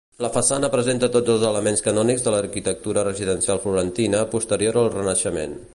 La façana presenta tots els elements canònics de l'arquitectura residencial florentina posterior al Renaixement.